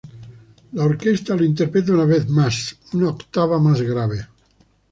La orquesta lo interpreta una vez más, una octava más grave.